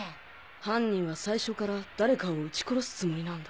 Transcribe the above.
犯人は最初から誰かを撃ち殺すつもりなんだ。